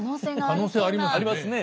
可能性ありますね。